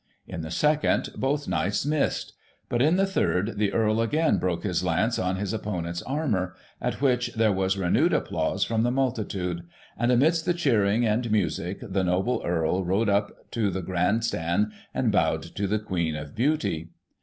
In the second, both Knights missed; but, in the third, the Earl again broke his lance on his opponent's armour; at which there was renewed applause from the multitude ; and, amidst the cheering and music, the noble Earl rode up to the Grand Stand, and bowed to the Queen of Beauty.